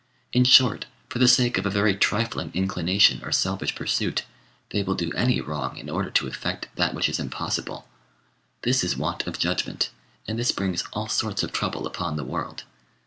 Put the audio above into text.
In short, for the sake of a very trifling inclination or selfish pursuit, they will do any wrong in order to effect that which is impossible. This is want of judgment, and this brings all sorts of trouble upon the world.